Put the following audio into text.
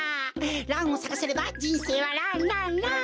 ランをさかせればじんせいはランランラン！